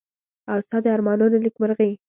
او ستا د ارمانونو نېکمرغي.